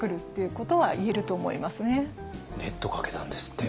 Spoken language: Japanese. ネットかけたんですって。